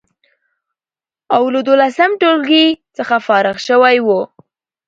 او له دولسم ټولګي څخه فارغ شوی و،